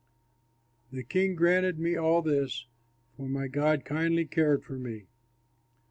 The king granted me all this, for my God kindly cared for me.